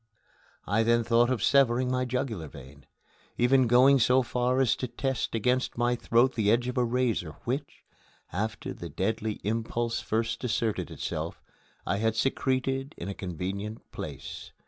I then thought of severing my jugular vein, even going so far as to test against my throat the edge of a razor which, after the deadly impulse first asserted itself, I had secreted in a convenient place.